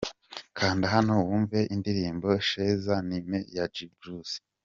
Kanda hano wumve indirimbo 'Cheza Na Mi' ya G-Bruce.